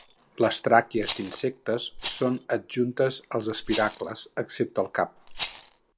Les tràquees d'insectes són adjuntes als espiracles, excepte el cap.